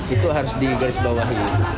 itu harus digarisbawahi